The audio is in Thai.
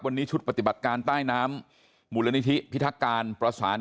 วันนี้ชุดปฏิบัติการใต้น้ำมูลนิธิพิทักการประสาน